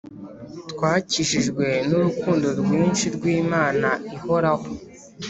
twakijijwe nu urukundo rwinshi rwi imana ihoraho